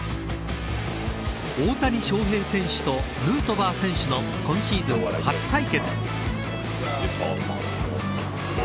大谷翔平選手とヌートバー選手の今シーズン初対決。